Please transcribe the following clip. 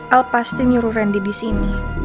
abu pasti nyuruh randy disini